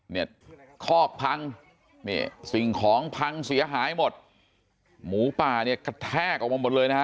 เนี่ยคอกพังนี่สิ่งของพังเสียหายหมดหมูป่าเนี่ยกระแทกออกมาหมดเลยนะฮะ